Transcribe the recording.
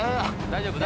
大丈夫？